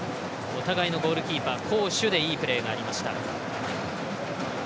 お互いのゴールキーパー攻守でいいプレーがありました。